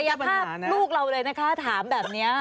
มันไม่ได้แสดงศักยภาพลูกเราเลยนะคะถามแบบนี้